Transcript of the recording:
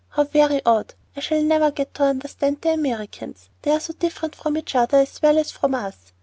How very odd. I shall never get to understand the Americans. They're so different from each other as well as from us.